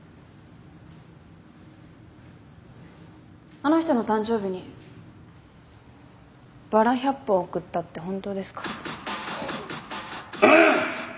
あの人の誕生日にバラ１００本贈ったってホントですか？